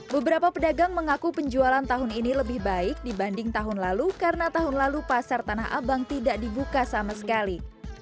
beberapa pedagang mengaku penjualan tahun ini lebih baik dibanding tahun lalu karena tahun lalu pasar tanah abang tidak dibuka sama sekali